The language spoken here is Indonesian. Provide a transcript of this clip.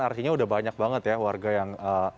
artinya udah banyak banget ya warga yang